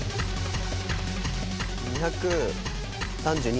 ２３２円。